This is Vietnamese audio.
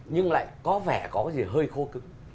nhưng lại có vẻ có cái gì hơi khô cứng